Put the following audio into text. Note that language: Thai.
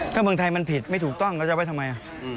ถ้าเมืองไทยมันผิดไม่ถูกต้องเราจะไว้ทำไม